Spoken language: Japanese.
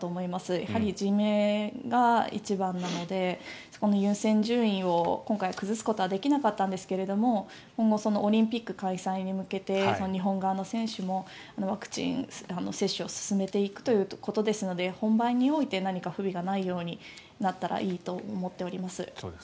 やはり人命が一番なのでそこの優先順位を今回、崩すことはできなかったんですが今後、オリンピック開催に向けて日本側の選手もワクチン接種を進めていくということですので本番において何か不備がないようになったらいいと思っております。